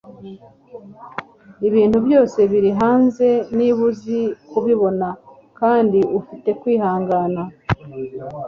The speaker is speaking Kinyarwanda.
ibintu byose biri hanze niba uzi kubibona, kandi ufite kwihangana